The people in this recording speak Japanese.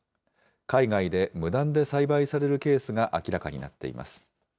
海外で無断で栽培されるケースが明らかになっています。